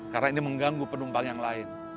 karena ini mengganggu penumpang yang lain